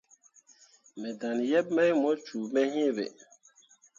Me dan yeb mai mu cume iŋ be.